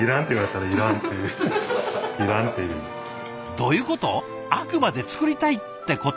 どういうこと？